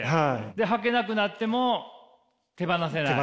はけなくなっても手放せない？